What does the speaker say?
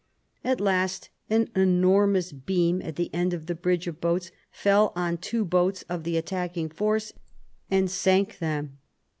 At last an enormous beam at the end of the bridge of boats fell on two boats of the attacking force and sank them.